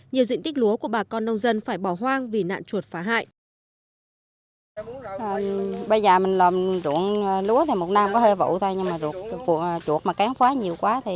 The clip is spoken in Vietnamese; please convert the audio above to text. nhiều diện tích lúa của bà con nông dân phải bỏ hoang vì nạn chuột phá hại